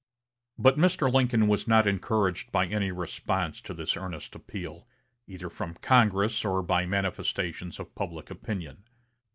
But Mr. Lincoln was not encouraged by any response to this earnest appeal, either from Congress or by manifestations of public opinion.